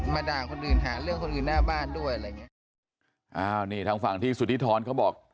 ด่าคนอื่นหาเรื่องคนอื่นหน้าบ้านด้วยอะไรอย่างเงี้ยอ้าวนี่ทางฝั่งที่สุธิธรเขาบอก